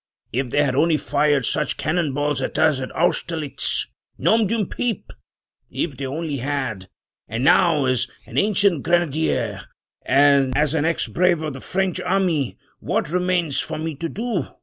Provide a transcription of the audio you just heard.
if they had only fired such cannon balls at us at Austerlitz — nom d'une pipe! if they only had! And now, as an ancient grenadier, as an ex brave of the French army, what remains for me to do?